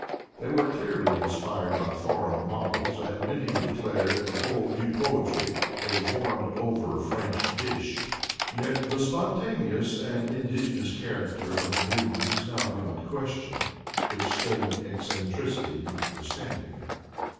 They were clearly inspired by foreign models, and many de clared the whole new poetry a warmed over French dish. Yet the spontaneous and indigenous character of the movement is now beyond question, its studied eccentricity notwithstanding.